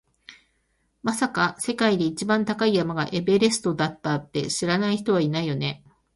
まさか、世界で一番高い山がエベレストだって知らない人はいないよね？